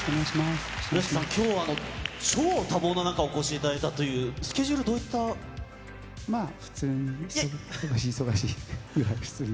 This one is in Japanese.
ＹＯＳＨＩＫＩさん、きょうは超多忙な中、お越しいただいたという、スケジュール、どういっまあ、普通に忙しいぐらい、忙しい、普通に。